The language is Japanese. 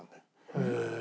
へえ。